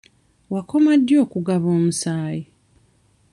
Wakoma ddi okugaba omusaayi?